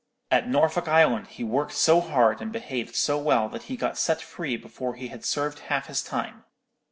At Norfolk Island he worked so hard and behaved so well that he got set free before he had served half his time.